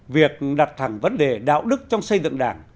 việc đặt thẳng vấn đề đạo đức trong xây dựng đảng